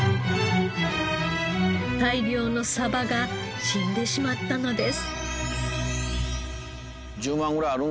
大量のサバが死んでしまったのです。